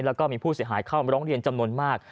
แล้วก็มีผู้เสียหายเข้ามาร้องเรียนจำนวนมาก